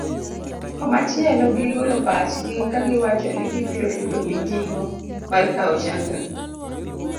Komachielo gigolo pachgi kagiwacho ni gibiro yudo mijing'o mar kao chanjo no